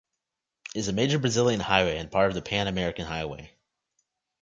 It is a major Brazilian highway and part of the Pan-American Highway.